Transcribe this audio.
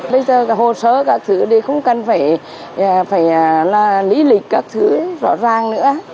bây giờ hồ sơ các thứ không cần phải lý lịch các thứ rõ ràng nữa